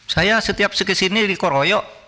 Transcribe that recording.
saya setiap seke sini dikoroyok